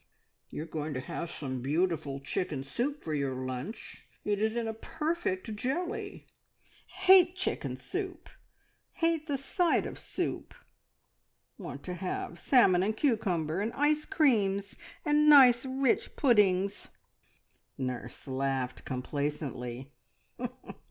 "You are going to have some beautiful chicken soup for your lunch. It is in a perfect jelly." "Hate chicken soup! Hate the sight of soup! Want to have salmon and cucumber, and ice creams, and nice rich puddings." Nurse laughed complacently.